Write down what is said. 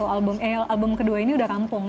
album kedua ini udah rampung